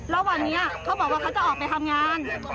แล้ววันนี้เขาบอกว่าเขาจะออกไปทำงาน